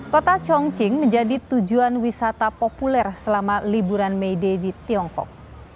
kota chong ching menjadi tujuan wisata populer selama liburan may day di tiongkok